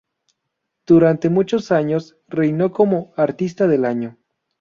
Durante muchos años reinó como "Artista del Año".